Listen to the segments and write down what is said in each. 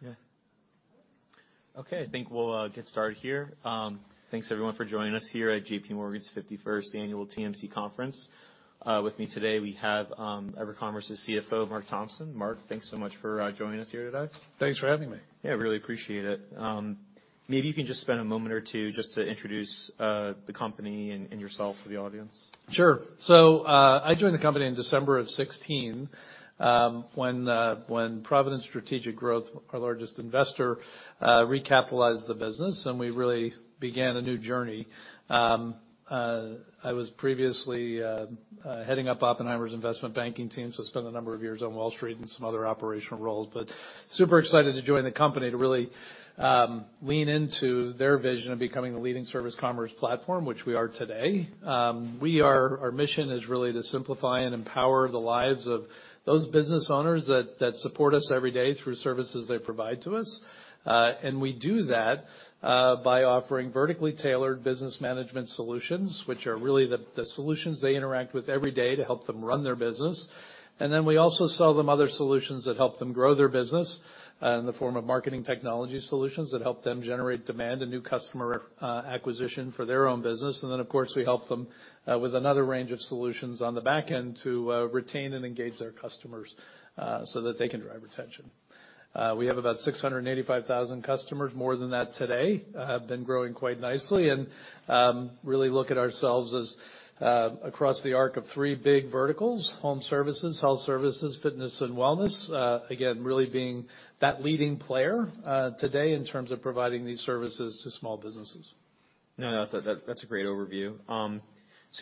Yeah. Okay. I think we'll get started here. Thanks everyone for joining us here at J.P. Morgan's 51st annual TMC conference. With me today, we have EverCommerce's CFO, Marc Thompson. Marc, thanks so much for joining us here today. Thanks for having me. Yeah, really appreciate it. Maybe you can just spend a moment or two just to introduce the company and yourself to the audience. Sure. I joined the company in December of 2016, when Providence Strategic Growth, our largest investor, recapitalized the business, and we really began a new journey. I was previously heading up Oppenheimer's investment banking team, spent a number of years on Wall Street and some other operational roles. Super excited to join the company to really lean into their vision of becoming the leading service commerce platform, which we are today. Our mission is really to simplify and empower the lives of those business owners that support us every day through services they provide to us. We do that by offering vertically tailored business management solutions, which are really the solutions they interact with every day to help them run their business. We also sell them other solutions that help them grow their business, in the form of marketing technology solutions that help them generate demand and new customer acquisition for their own business. Of course, we help them with another range of solutions on the back end to retain and engage their customers so that they can drive retention. We have about 685,000 customers, more than that today. Have been growing quite nicely and really look at ourselves as across the arc of three big verticals, home services, health services, fitness and wellness. Again, really being that leading player today in terms of providing these services to small businesses. No, that's a great overview.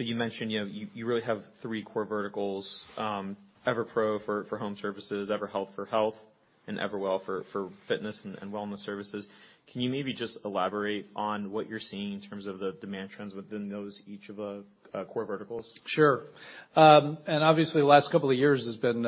You mentioned, you know, you really have three core verticals, EverPro for home services, EverHealth for health, and EverWell for fitness and wellness services. Can you maybe just elaborate on what you're seeing in terms of the demand trends within each of the core verticals? Sure. Obviously, the last couple of years has been,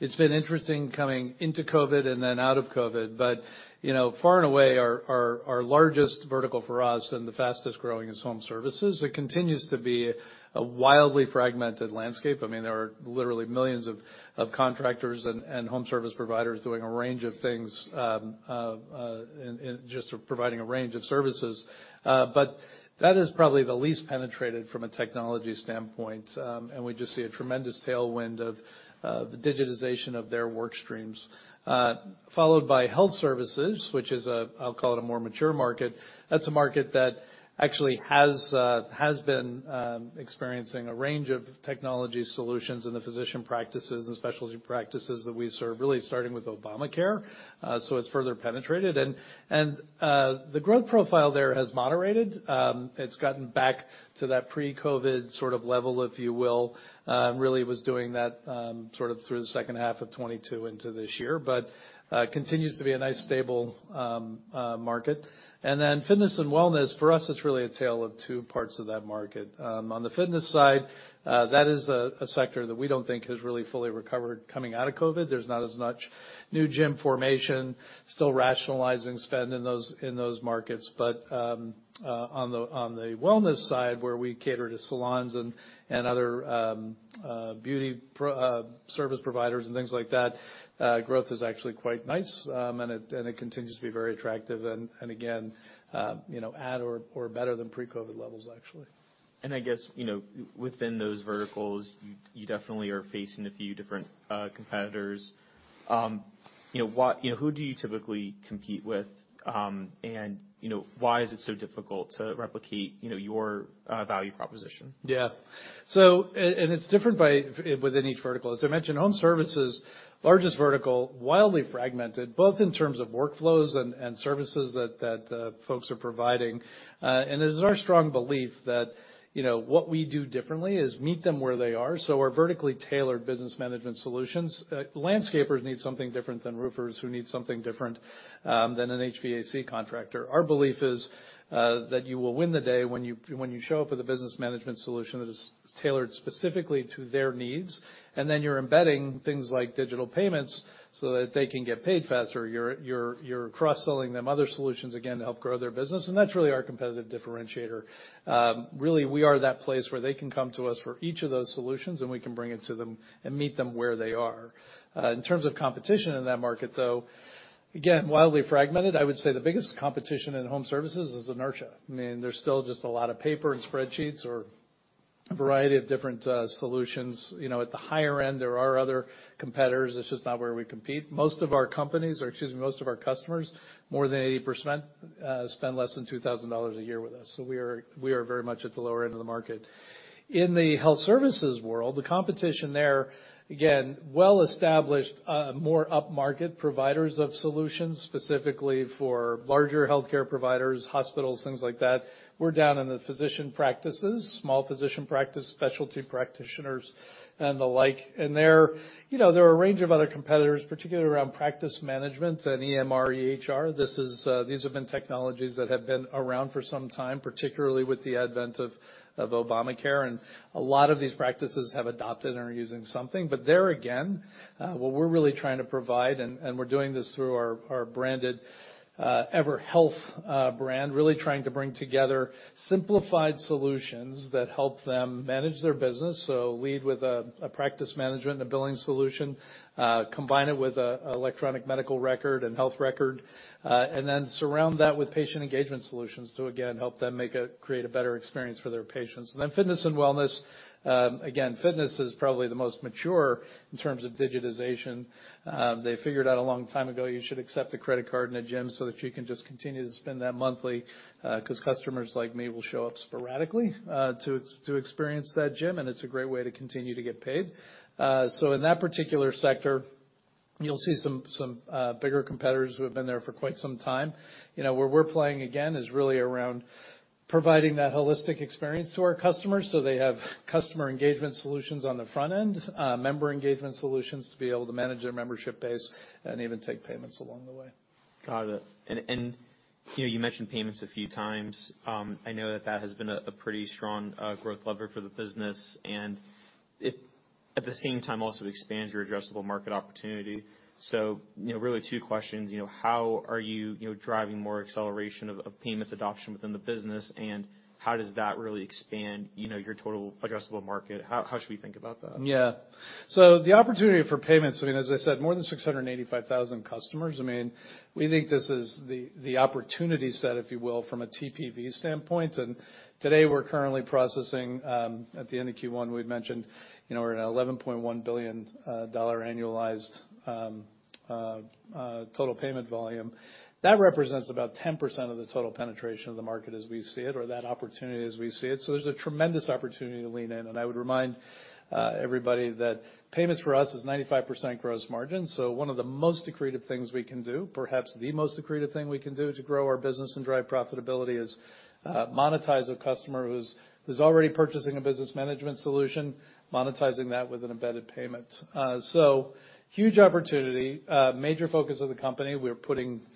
it's been interesting coming into COVID and then out of COVID. You know, far and away our largest vertical for us and the fastest growing is home services. It continues to be a wildly fragmented landscape. I mean, there are literally millions of contractors and home service providers doing a range of things, and just providing a range of services. That is probably the least penetrated from a technology standpoint. We just see a tremendous tailwind of the digitization of their work streams. Followed by health services, which is, I'll call it a more mature market. That's a market that actually has been experiencing a range of technology solutions in the physician practices and specialty practices that we serve, really starting with Obamacare. It's further penetrated. The growth profile there has moderated. It's gotten back to that pre-COVID sort of level, if you will. Really was doing that sort of through the second half of 2022 into this year. Continues to be a nice stable market. Fitness and wellness, for us, it's really a tale of two parts of that market. On the fitness side, that is a sector that we don't think has really fully recovered coming out of COVID. There's not as much new gym formation. Still rationalizing spend in those markets. On the wellness side, where we cater to salons and other beauty service providers and things like that, growth is actually quite nice. It continues to be very attractive and again, you know, at or better than pre-COVID levels actually. I guess, you know, within those verticals, you definitely are facing a few different competitors. You know, who do you typically compete with? You know, why is it so difficult to replicate, you know, your value proposition? Yeah. It's different by within each vertical. As I mentioned, home services, largest vertical, wildly fragmented, both in terms of workflows and services that folks are providing. It is our strong belief that, you know, what we do differently is meet them where they are, so our vertically tailored business management solutions. Landscapers need something different than roofers, who need something different than an HVAC contractor. Our belief is that when you show up with a business management solution that is tailored specifically to their needs. Then you're embedding things like digital payments so that they can get paid faster. You're cross-selling them other solutions, again, to help grow their business. That's really our competitive differentiator. Really, we are that place where they can come to us for each of those solutions, and we can bring it to them and meet them where they are. In terms of competition in that market, though, again, wildly fragmented. I would say the biggest competition in home services is inertia. I mean, there's still just a lot of paper and spreadsheets or a variety of different solutions. You know, at the higher end, there are other competitors. It's just not where we compete. Most of our companies or, excuse me, most of our customers, more than 80%, spend less than $2,000 a year with us, so we are very much at the lower end of the market. In the health services world, the competition there, again, well-established, more up-market providers of solutions, specifically for larger healthcare providers, hospitals, things like that. We're down in the physician practices, small physician practice, specialty practitioners and the like. There, you know, there are a range of other competitors, particularly around practice management and EMR, EHR. This is, these have been technologies that have been around for some time, particularly with the advent of Obamacare, and a lot of these practices have adopted and are using something. There again, what we're really trying to provide, and we're doing this through our branded EverHealth brand, really trying to bring together simplified solutions that help them manage their business. Lead with a practice management and a billing solution, combine it with a electronic medical record and health record, and then surround that with patient engagement solutions to again help them make a, create a better experience for their patients. Fitness and wellness, again, fitness is probably the most mature in terms of digitization. They figured out a long time ago, you should accept a credit card in a gym so that you can just continue to spend that monthly, 'cause customers like me will show up sporadically to experience that gym, and it's a great way to continue to get paid. In that particular sector. You'll see some bigger competitors who have been there for quite some time. You know, where we're playing again is really around providing that holistic experience to our customers so they have customer engagement solutions on the front end, member engagement solutions to be able to manage their membership base and even take payments along the way. Got it. You know, you mentioned payments a few times. I know that that has been a pretty strong growth lever for the business, and it at the same time also expands your addressable market opportunity. You know, really two questions: you know, how are you know, driving more acceleration of payments adoption within the business? How does that really expand, you know, your total addressable market? How should we think about that? Yeah. The opportunity for payments, I mean, as I said, more than 685,000 customers. I mean, we think this is the opportunity set, if you will, from a TPV standpoint. Today, we're currently processing, at the end of Q1, we'd mentioned, you know, we're at $11.1 billion annualized total payment volume. That represents about 10% of the total penetration of the market as we see it or that opportunity as we see it. There's a tremendous opportunity to lean in. I would remind everybody that payments for us is 95% gross margin. One of the most accretive things we can do, perhaps the most accretive thing we can do to grow our business and drive profitability is, monetize a customer who's already purchasing a business management solution, monetizing that with an embedded payment. huge opportunity, major focus of the company. We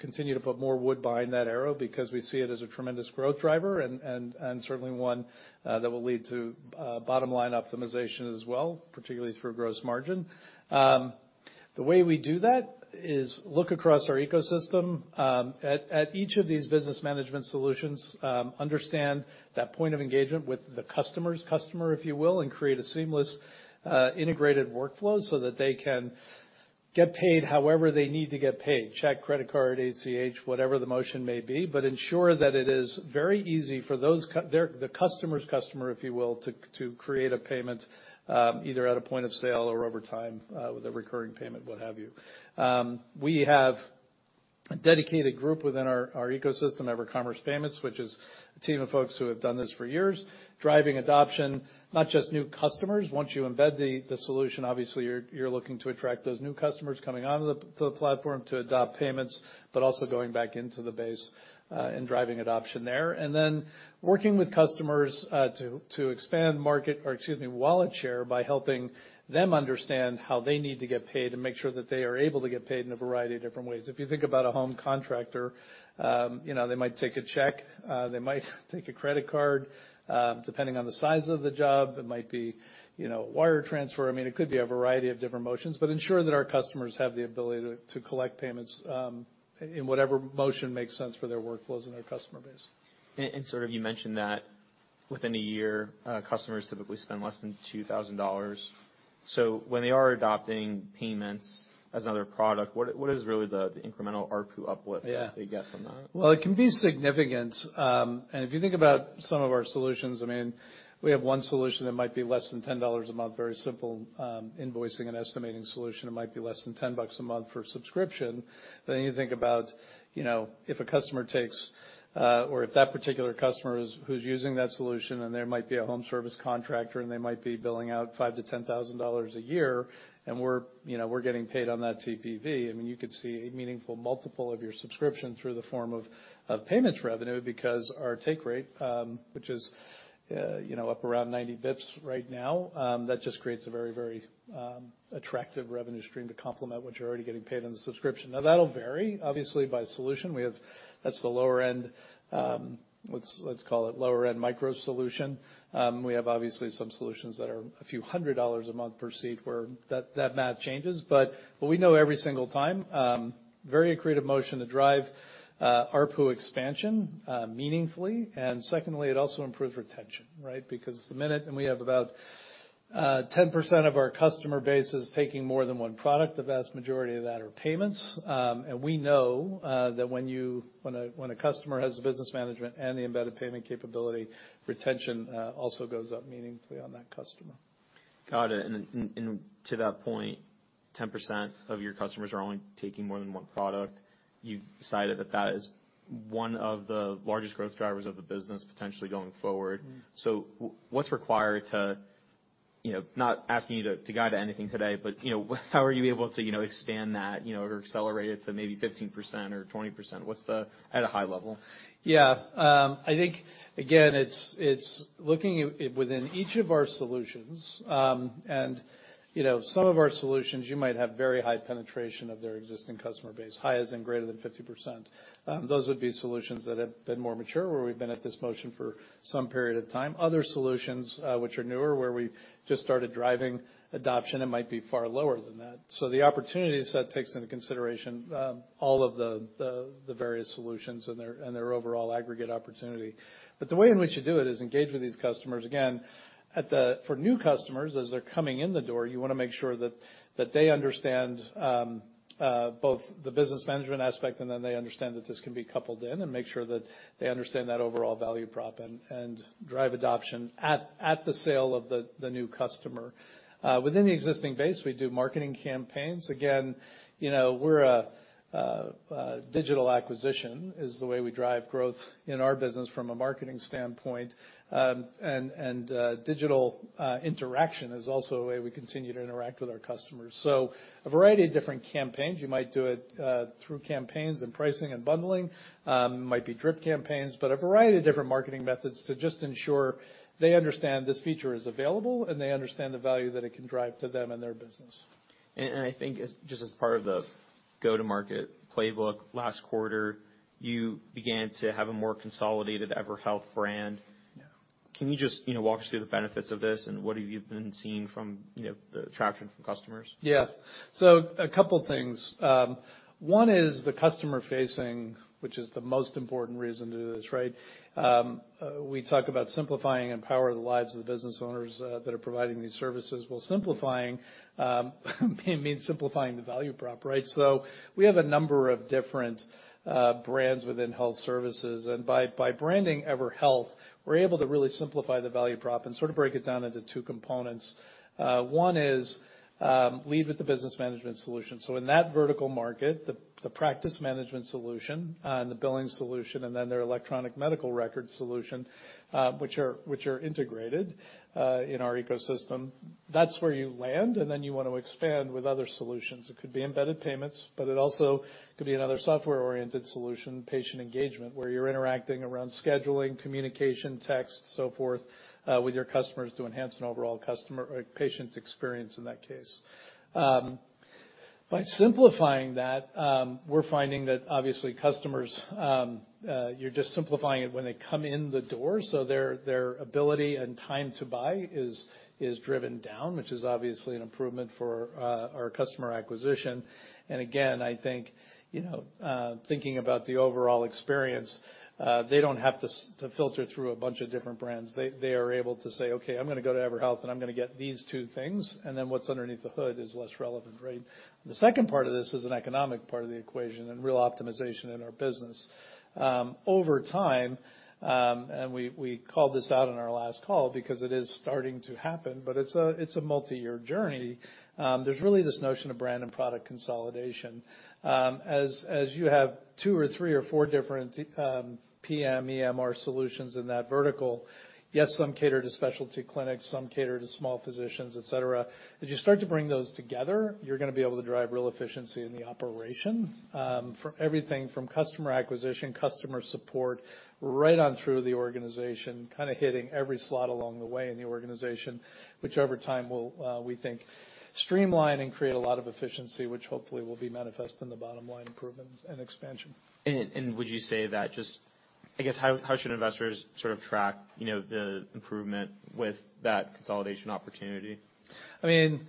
continue to put more wood behind that arrow because we see it as a tremendous growth driver and certainly one, that will lead to, bottom-line optimization as well, particularly through gross margin. The way we do that is look across our ecosystem, at each of these business management solutions, understand that point of engagement with the customer's customer, if you will, and create a seamless, integrated workflow so that they can get paid however they need to get paid, check, credit card, ACH, whatever the motion may be. Ensure that it is very easy for those the customer's customer, if you will, to create a payment, either at a point of sale or over time, with a recurring payment, what have you. We have a dedicated group within our ecosystem, EverCommerce Payments, which is a team of folks who have done this for years, driving adoption, not just new customers. Once you embed the solution, obviously you're looking to attract those new customers coming onto the platform to adopt payments, but also going back into the base and driving adoption there. Working with customers to expand wallet share by helping them understand how they need to get paid and make sure that they are able to get paid in a variety of different ways. If you think about a home contractor, you know, they might take a check, they might take a credit card, depending on the size of the job, it might be, you know, wire transfer. I mean, it could be a variety of different motions, but ensure that our customers have the ability to collect payments in whatever motion makes sense for their workflows and their customer base. Sort of you mentioned that within a year, customers typically spend less than $2,000. When they are adopting payments as another product, what is really the incremental ARPU uplift? Yeah -that they get from that? Well, it can be significant. If you think about some of our solutions, I mean, we have one solution that might be less than $10 a month, very simple, invoicing and estimating solution. It might be less than $10 a month for subscription. You think about, you know, if a customer takes, or if that particular customer is, who's using that solution, and they might be a home service contractor, and they might be billing out $5,000-$10,000 a year, and we're, you know, we're getting paid on that TPV. I mean, you could see a meaningful multiple of your subscription through the form of payments revenue because our take rate, which is, you know, up around 90 basis points right now, that just creates a very, very attractive revenue stream to complement what you're already getting paid on the subscription. Now that'll vary obviously by solution. That's the lower end, let's call it lower-end micro solution. We have obviously some solutions that are a few hundred dollars a month per seat where that math changes. But what we know every single time, very accretive motion to drive ARPU expansion meaningfully. Secondly, it also improves retention, right? Because the minute. We have about 10% of our customer base is taking more than one product. The vast majority of that are payments. We know that when a customer has the business management and the embedded payment capability, retention also goes up meaningfully on that customer. Got it. To that point, 10% of your customers are only taking more than one product. You've decided that that is one of the largest growth drivers of the business potentially going forward. Mm-hmm. What's required to, you know, not asking you to guide anything today, but, you know, how are you able to, you know, expand that, you know, or accelerate it to maybe 15% or 20%? What's the... At a high level. Yeah. I think, again, it's looking at within each of our solutions, and, you know, some of our solutions, you might have very high penetration of their existing customer base, high as in greater than 50%. Those would be solutions that have been more mature, where we've been at this motion for some period of time. Other solutions, which are newer, where we've just started driving adoption, it might be far lower than that. The opportunity set takes into consideration, all of the various solutions and their overall aggregate opportunity. The way in which you do it is engage with these customers, again, at the... For new customers, as they're coming in the door, you wanna make sure that they understand both the business management aspect, and then they understand that this can be coupled in, and make sure that they understand that overall value prop and drive adoption at the sale of the new customer. Within the existing base, we do marketing campaigns. Again, you know, we're digital acquisition is the way we drive growth in our business from a marketing standpoint. And digital interaction is also a way we continue to interact with our customers. A variety of different campaigns. You might do it through campaigns and pricing and bundling, might be drip campaigns, but a variety of different marketing methods to just ensure they understand this feature is available and they understand the value that it can drive to them and their business. I think as, just as part of the go-to-market playbook last quarter, you began to have a more consolidated EverHealth brand. Yeah. Can you just, you know, walk us through the benefits of this and what have you been seeing from, you know, the traction from customers? A couple things. One is the customer facing, which is the most important reason to do this, right? We talk about simplifying and power the lives of the business owners that are providing these services, while simplifying may mean simplifying the value prop, right? We have a number of different brands within health services, and by branding EverHealth, we're able to really simplify the value prop and sort of break it down into two components. One is lead with the business management solution. In that vertical market, the practice management solution and the billing solution, and then their electronic medical record solution, which are integrated in our ecosystem, that's where you land and then you want to expand with other solutions. It could be embedded payments, but it also could be another software-oriented solution, patient engagement, where you're interacting around scheduling, communication, text, so forth, with your customers to enhance an overall customer or patient experience in that case. By simplifying that, we're finding that obviously customers, you're just simplifying it when they come in the door, so their ability and time to buy is driven down, which is obviously an improvement for our customer acquisition. Again, I think, you know, thinking about the overall experience, they don't have to filter through a bunch of different brands. They are able to say, "Okay, I'm gonna go to EverHealth and I'm gonna get these two things," and then what's underneath the hood is less relevant, right? The second part of this is an economic part of the equation and real optimization in our business. Over time, we called this out on our last call because it is starting to happen, but it's a, it's a multi-year journey. There's really this notion of brand and product consolidation. As you have two or three or four different PM EMR solutions in that vertical, yes, some cater to specialty clinics, some cater to small physicians, et cetera. As you start to bring those together, you're gonna be able to drive real efficiency in the operation, for everything from customer acquisition, customer support, right on through the organization, kinda hitting every slot along the way in the organization, which over time will, we think streamline and create a lot of efficiency, which hopefully will be manifest in the bottom line improvements and expansion. Would you say that I guess, how should investors sort of track, you know, the improvement with that consolidation opportunity? I mean,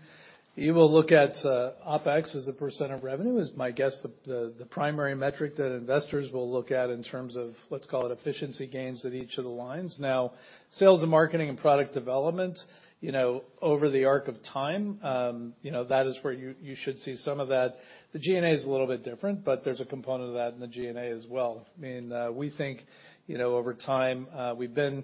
you will look at OpEx as a percent of revenue is my guess the primary metric that investors will look at in terms of, let's call it efficiency gains at each of the lines. Sales and marketing and product development, you know, over the arc of time, you know, that is where you should see some of that. The G&A is a little bit different, but there's a component of that in the G&A as well. I mean, we think, you know, over time, we've been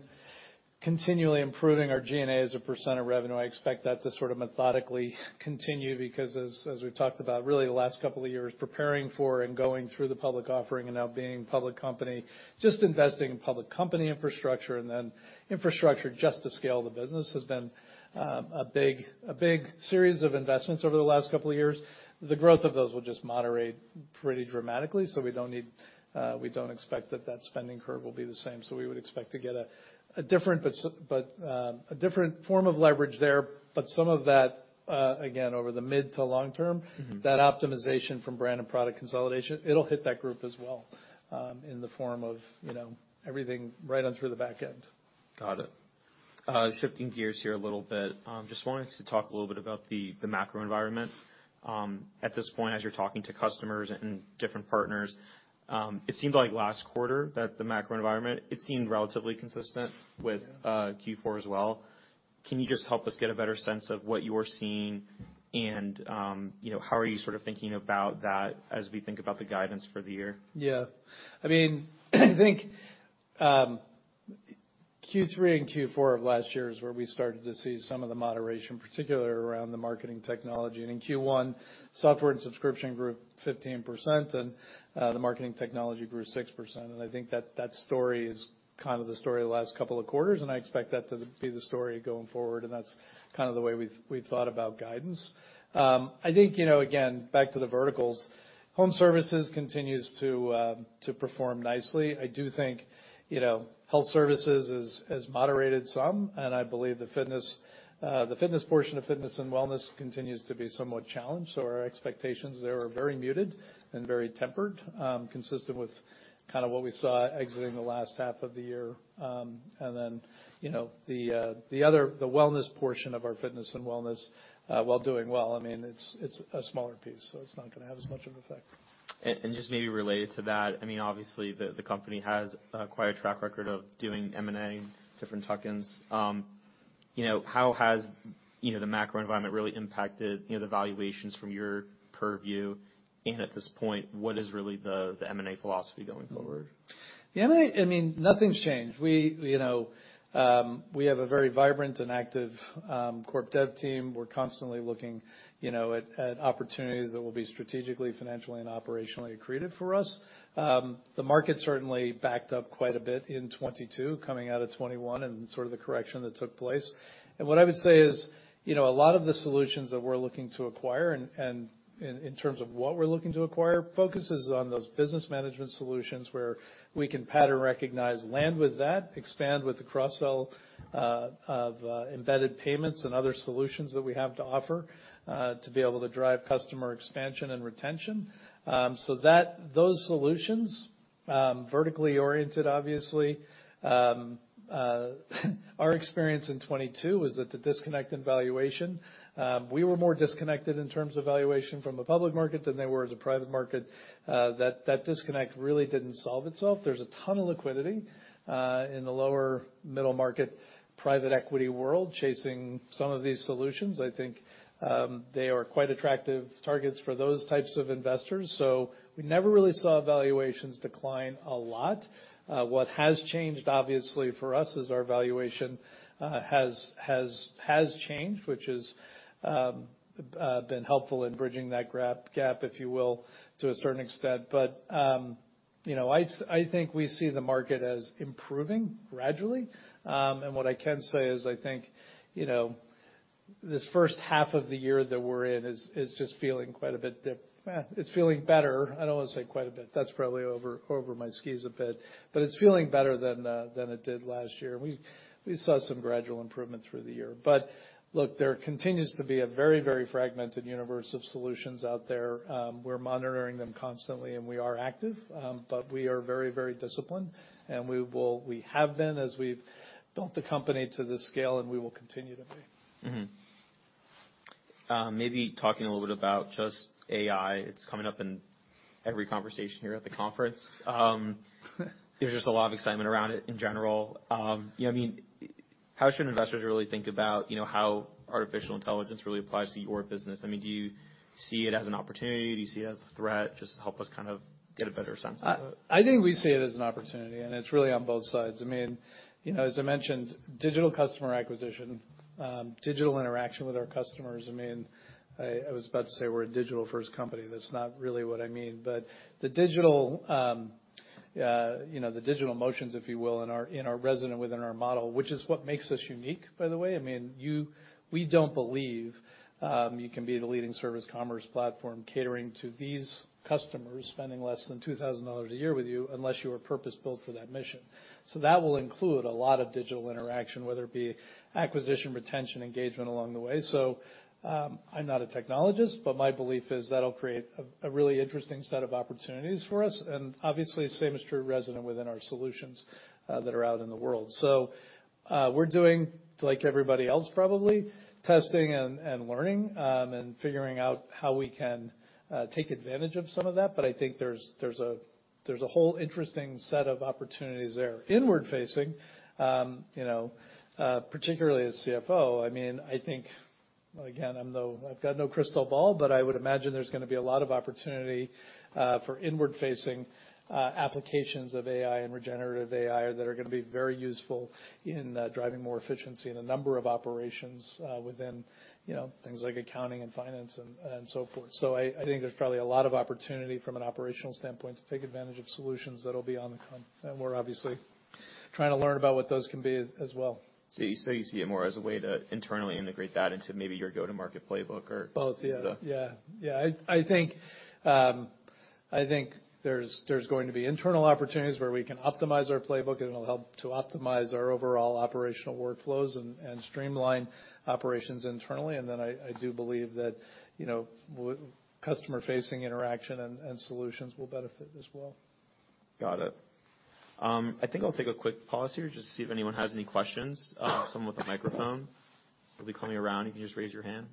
continually improving our G&A as a percent of revenue. I expect that to sort of methodically continue because as we've talked about really the last couple of years preparing for and going through the public offering and now being a public company, just investing in public company infrastructure and then infrastructure just to scale the business has been a big series of investments over the last couple of years. The growth of those will just moderate pretty dramatically, so we don't need, we don't expect that that spending curve will be the same. We would expect to get a different but a different form of leverage there. Some of that, again, over the mid to long term. Mm-hmm ...that optimization from brand and product consolidation, it'll hit that group as well, in the form of, you know, everything right on through the back end. Got it. Shifting gears here a little bit, just wanted to talk a little bit about the macro environment. At this point, as you're talking to customers and different partners, it seemed like last quarter that the macro environment, it seemed relatively consistent with- Yeah... Q4 as well. Can you just help us get a better sense of what you're seeing and, you know, how are you sort of thinking about that as we think about the guidance for the year? Yeah. I mean, I think, Q3 and Q4 of last year is where we started to see some of the moderation, particularly around the marketing technology. In Q1, software and subscription grew 15% and the marketing technology grew 6%. I think that story is kind of the story of the last couple of quarters, and I expect that to be the story going forward, and that's kind of the way we've thought about guidance. I think, you know, again, back to the verticals, home services continues to perform nicely. I do think, you know, health services has moderated some, and I believe the fitness portion of fitness and wellness continues to be somewhat challenged. Our expectations there are very muted and very tempered, consistent with kind of what we saw exiting the last half of the year. you know, the other, the wellness portion of our fitness and wellness, while doing well, I mean, it's a smaller piece, so it's not gonna have as much of an effect. Just maybe related to that, I mean, obviously the company has quite a track record of doing M&A, different tuck-ins. You know, how has, you know, the macro environment really impacted, you know, the valuations from your purview? At this point, what is really the M&A philosophy going forward? The M&A, I mean, nothing's changed. We, you know, we have a very vibrant and active corp dev team. We're constantly looking, you know, at opportunities that will be strategically, financially, and operationally accretive for us. The market certainly backed up quite a bit in 2022 coming out of 2021 and sort of the correction that took place. What I would say is, you know, a lot of the solutions that we're looking to acquire and in terms of what we're looking to acquire, focuses on those business management solutions where we can pattern recognize, land with that, expand with the cross-sell of embedded payments and other solutions that we have to offer to be able to drive customer expansion and retention. So those solutions, vertically oriented obviously. Our experience in 2022 was that the disconnect in valuation, we were more disconnected in terms of valuation from a public market than they were as a private market, that disconnect really didn't solve itself. There's a ton of liquidity in the lower middle market, private equity world chasing some of these solutions. I think they are quite attractive targets for those types of investors. We never really saw valuations decline a lot. What has changed, obviously, for us is our valuation has changed, which has been helpful in bridging that gap, if you will, to a certain extent. you know, I think we see the market as improving gradually. What I can say is I think, you know, this first half of the year that we're in is just feeling quite a bit. It's feeling better. I don't want to say quite a bit. That's probably over my skis a bit, but it's feeling better than it did last year. We saw some gradual improvement through the year. Look, there continues to be a very, very fragmented universe of solutions out there. We're monitoring them constantly, and we are active, but we are very, very disciplined, and we have been as we've built the company to this scale, and we will continue to be. Maybe talking a little bit about just AI. It's coming up in every conversation here at the conference. There's just a lot of excitement around it in general. You know, I mean, how should investors really think about, you know, how artificial intelligence really applies to your business? I mean, do you see it as an opportunity? Do you see it as a threat? Just help us kind of get a better sense of it. I think we see it as an opportunity. It's really on both sides. I mean, you know, as I mentioned, digital customer acquisition, digital interaction with our customers, I mean, I was about to say we're a digital-first company. That's not really what I mean. The digital, you know, the digital motions, if you will, in our, in our Resonant within our model, which is what makes us unique, by the way. I mean, we don't believe you can be the leading service commerce platform catering to these customers spending less than $2,000 a year with you unless you are purpose-built for that mission. That will include a lot of digital interaction, whether it be acquisition, retention, engagement along the way. I'm not a technologist, but my belief is that'll create a really interesting set of opportunities for us. Obviously, same is true Resonant within our solutions that are out in the world. We're doing, like everybody else probably, testing and learning and figuring out how we can take advantage of some of that. I think there's a whole interesting set of opportunities there. Inward facing, you know, particularly as CFO, I mean, I think, again, I've got no crystal ball, but I would imagine there's gonna be a lot of opportunity for inward-facing applications of AI and generative AI that are gonna be very useful in driving more efficiency in a number of operations within, you know, things like accounting and finance and so forth. I think there's probably a lot of opportunity from an operational standpoint to take advantage of solutions that'll be on the come. We're obviously trying to learn about what those can be as well. You see it more as a way to internally integrate that into maybe your go-to-market playbook or... Both. Yeah. The- Yeah. Yeah. I think there's going to be internal opportunities where we can optimize our playbook, and it'll help to optimize our overall operational workflows and streamline operations internally. Then I do believe that, you know, customer-facing interaction and solutions will benefit as well. Got it. I think I'll take a quick pause here just to see if anyone has any questions. Someone with a microphone will be coming around. You can just raise your hand.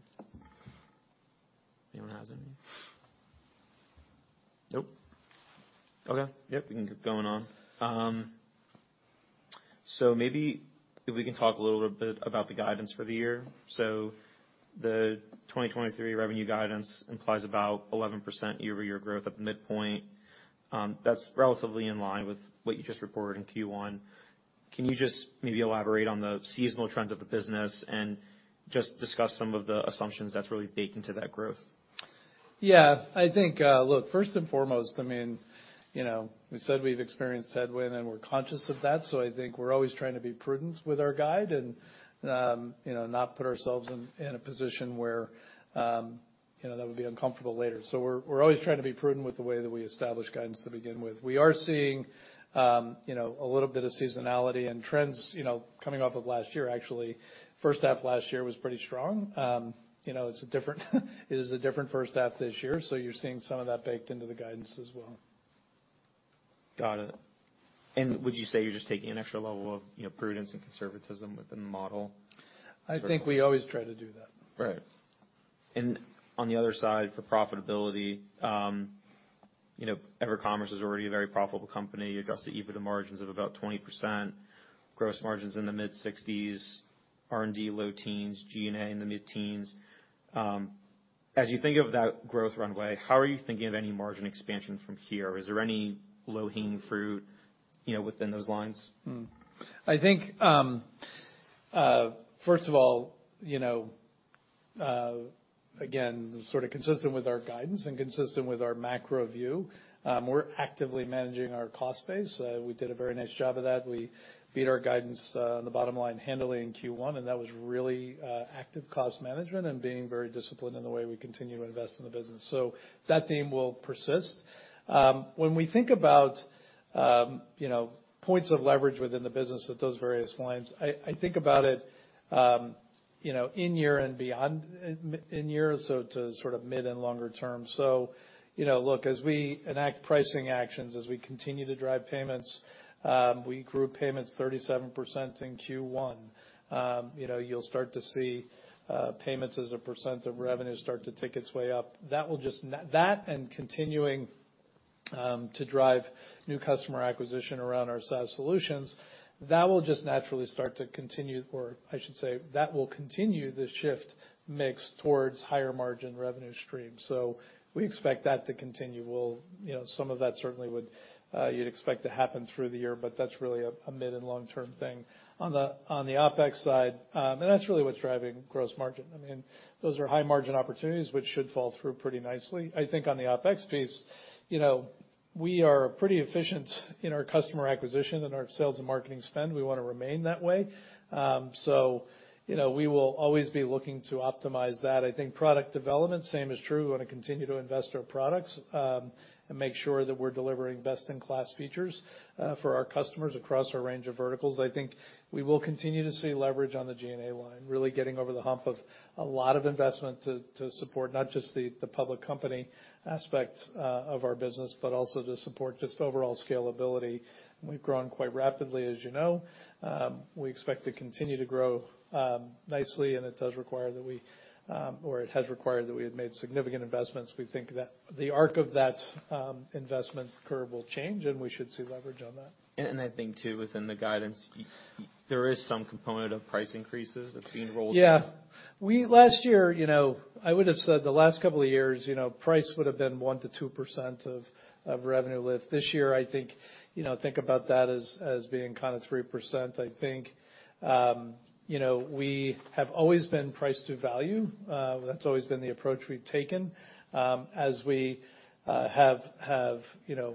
Anyone has any? Nope. Okay. Yep, we can keep going on. Maybe if we can talk a little bit about the guidance for the year. The 2023 revenue guidance implies about 11% year-over-year growth at the midpoint. That's relatively in line with what you just reported in Q1. Can you just maybe elaborate on the seasonal trends of the business and just discuss some of the assumptions that's really baked into that growth? I think, look, first and foremost, I mean, you know, we said we've experienced headwind, and we're conscious of that, so I think we're always trying to be prudent with our guide and, you know, not put ourselves in a position where, you know, that would be uncomfortable later. We're always trying to be prudent with the way that we establish guidance to begin with. We are seeing, you know, a little bit of seasonality and trends, you know, coming off of last year, actually. First half last year was pretty strong. You know, it's a different, it is a different first half this year, so you're seeing some of that baked into the guidance as well. Got it. Would you say you're just taking an extra level of, you know, prudence and conservatism within the model? I think we always try to do that. Right. On the other side, for profitability, you know, EverCommerce is already a very profitable company, Adjusted EBITDA Margins of about 20%, gross margins in the mid-60s, R&D low teens, G&A in the mid-teens. As you think of that growth runway, how are you thinking of any margin expansion from here? Is there any low-hanging fruit, you know, within those lines? I think, first of all, you know, again, sort of consistent with our guidance and consistent with our macro view, we're actively managing our cost base. We did a very nice job of that. We beat our guidance, on the bottom line handily in Q1, that was really active cost management and being very disciplined in the way we continue to invest in the business. That theme will persist. When we think about, you know, points of leverage within the business with those various lines, I think about it, you know, in year and beyond, in year or so to sort of mid and longer term. You know, look, as we enact pricing actions, as we continue to drive payments, we grew payments 37% in Q1. You know, you'll start to see payments as a percent of revenue start to tick its way up. That and continuing to drive new customer acquisition around our SaaS solutions, that will just naturally start to continue, or I should say, that will continue the shift mix towards higher margin revenue stream. We expect that to continue. We'll. You know, some of that certainly would, you'd expect to happen through the year, but that's really a mid and long-term thing. On the OpEx side, and that's really what's driving gross margin. I mean, those are high margin opportunities which should fall through pretty nicely. I think on the OpEx piece, you know, we are pretty efficient in our customer acquisition and our sales and marketing spend. We wanna remain that way. you know, we will always be looking to optimize that. I think product development, same is true. We wanna continue to invest our products, and make sure that we're delivering best-in-class features for our customers across our range of verticals. I think we will continue to see leverage on the G&A line, really getting over the hump of a lot of investment to support not just the public company aspect of our business, but also to support just overall scalability. We've grown quite rapidly, as you know. We expect to continue to grow nicely, and it does require that we, or it has required that we have made significant investments. We think that the arc of that investment curve will change, and we should see leverage on that. I think too, within the guidance, there is some component of price increases that's being rolled in. Yeah. Last year, you know, I would have said the last couple of years, you know, price would have been 1%-2% of revenue lift. This year, I think, you know, think about that as being kind of 3%, I think. You know, we have always been priced to value. That's always been the approach we've taken. As we, have, you know,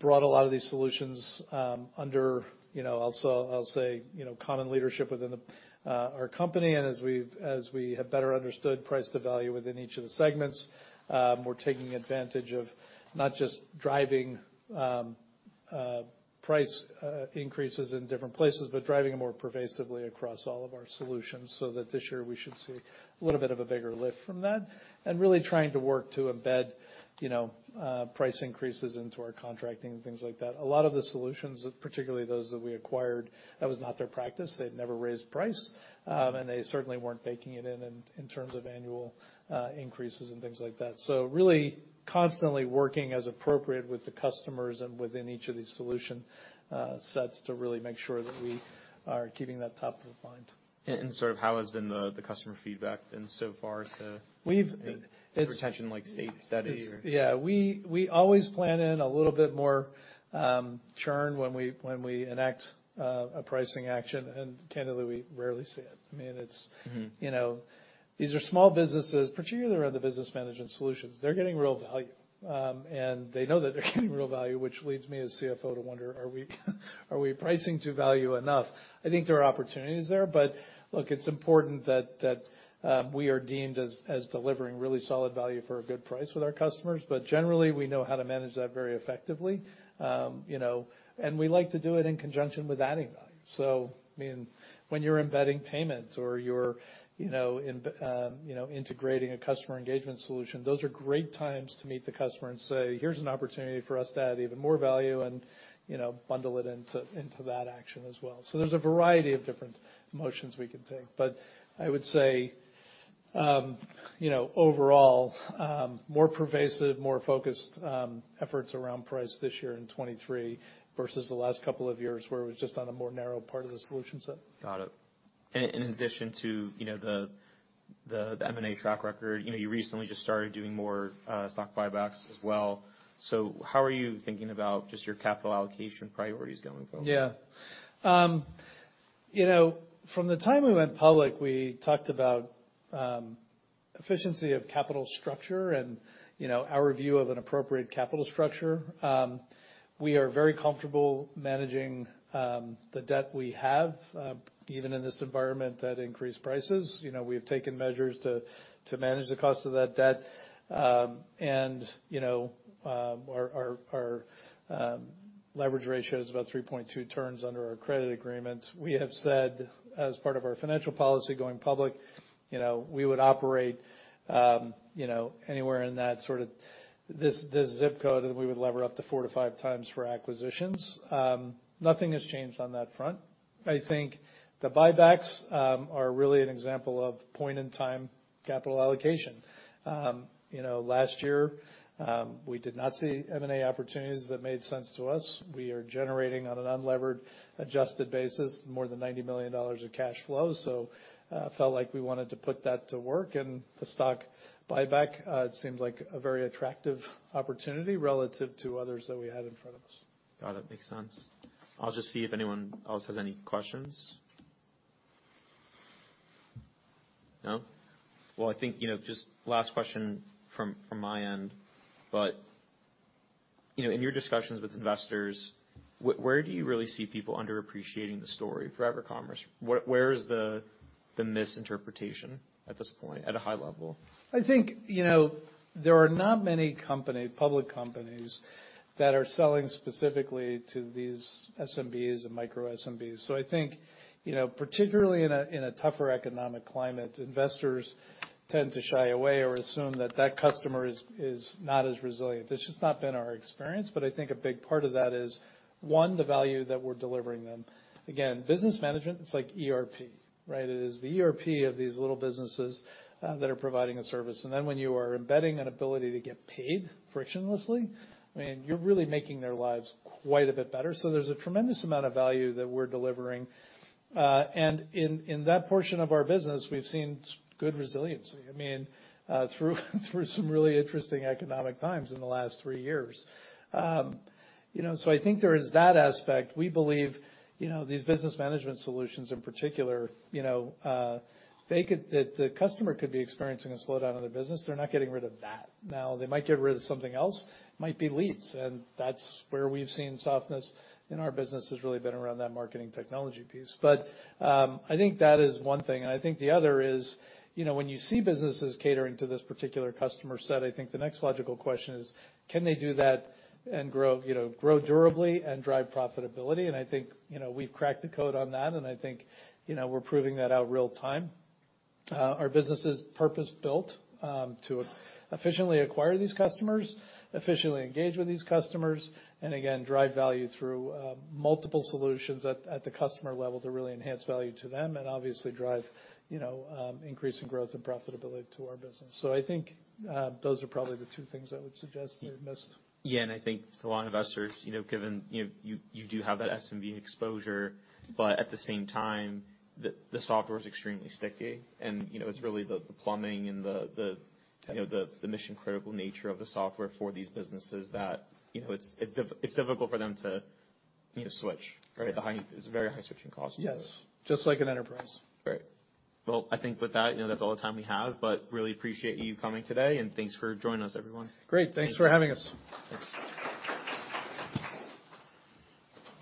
brought a lot of these solutions, under, you know, I'll say, you know, common leadership within our company, and as we've, as we have better understood price to value within each of the segments, we're taking advantage of not just driving, price, increases in different places, but driving them more pervasively across all of our solutions so that this year we should see a little bit of a bigger lift from that. Really trying to work to embed, you know, price increases into our contracting and things like that. A lot of the solutions, particularly those that we acquired, that was not their practice. They had never raised price, and they certainly weren't baking it in terms of annual, increases and things like that. really constantly working as appropriate with the customers and within each of these solution, sets to really make sure that we are keeping that top of mind. sort of how has been the customer feedback been so far? We've.... the retention like state that is? Yeah. We always plan in a little bit more churn when we enact a pricing action. Candidly, we rarely see it. I mean. Mm-hmm you know, these are small businesses, particularly around the business management solutions. They're getting real value. They know that they're getting real value, which leads me as CFO to wonder, are we pricing to value enough? I think there are opportunities there, but look, it's important that we are deemed as delivering really solid value for a good price with our customers. Generally, we know how to manage that very effectively. You know, we like to do it in conjunction with adding value. I mean, when you're embedding payments or you're, you know, integrating a customer engagement solution, those are great times to meet the customer and say, "Here's an opportunity for us to add even more value," and, you know, bundle it into that action as well. There's a variety of different motions we can take. I would say, you know, overall, more pervasive, more focused, efforts around price this year in 2023 versus the last couple of years, where it was just on a more narrow part of the solution set. Got it. In addition to, you know, the M&A track record, you know, you recently just started doing more stock buybacks as well. How are you thinking about just your capital allocation priorities going forward? Yeah. You know, from the time we went public, we talked about efficiency of capital structure and, you know, our view of an appropriate capital structure. We are very comfortable managing the debt we have, even in this environment at increased prices. You know, we have taken measures to manage the cost of that debt. And, you know, our leverage ratio is about 3.2 turns under our credit agreements. We have said, as part of our financial policy going public, you know, we would operate, you know, anywhere in that sort of this ZIP code, and we would lever up to 4-5x for acquisitions. Nothing has changed on that front. I think the buybacks are really an example of point-in-time capital allocation. you know, last year, we did not see M&A opportunities that made sense to us. We are generating on an unlevered Adjusted Basis, more than $90 million of cash flow. felt like we wanted to put that to work and the stock buyback, it seems like a very attractive opportunity relative to others that we had in front of us. Got it. Makes sense. I'll just see if anyone else has any questions. No? Well, I think, you know, just last question from my end. You know, in your discussions with investors, where do you really see people underappreciating the story for EverCommerce? Where is the misinterpretation at this point, at a high level? I think, you know, there are not many public companies that are selling specifically to these SMBs and micro SMBs. I think, you know, particularly in a tougher economic climate, investors tend to shy away or assume that that customer is not as resilient. That's just not been our experience. I think a big part of that is, one, the value that we're delivering them. Again, business management, it's like ERP, right? It is the ERP of these little businesses that are providing a service. When you are embedding an ability to get paid frictionlessly, I mean, you're really making their lives quite a bit better. There's a tremendous amount of value that we're delivering. In that portion of our business, we've seen good resiliency, I mean, through some really interesting economic times in the last three years. You know, so I think there is that aspect. We believe, you know, these business management solutions in particular, you know, the customer could be experiencing a slowdown in their business, they're not getting rid of that. Now, they might get rid of something else, might be leads, and that's where we've seen softness in our business, has really been around that marketing technology piece. I think that is one thing, and I think the other is, you know, when you see businesses catering to this particular customer set, I think the next logical question is: Can they do that and grow, you know, grow durably and drive profitability? I think, you know, we've cracked the code on that, and I think, you know, we're proving that out real time. Our business is purpose-built to efficiently acquire these customers, efficiently engage with these customers, and again, drive value through multiple solutions at the customer level to really enhance value to them and obviously drive, you know, increase in growth and profitability to our business. I think, those are probably the two things I would suggest they've missed. Yeah. I think for a lot of investors, you know, given, you know, you do have that SMB exposure, at the same time, the software is extremely sticky. You know, it's really the plumbing and the, you know, the mission-critical nature of the software for these businesses that, you know, it's difficult for them to, you know, switch, right? There's a very high switching cost. Yes. Just like an enterprise. Well, I think with that, you know, that's all the time we have, but really appreciate you coming today, and thanks for joining us, everyone. Great. Thanks for having us. Thanks.